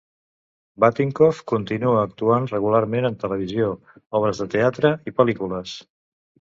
Batinkoff continua actuant regularment en televisió, obres de teatre i pel·lícules.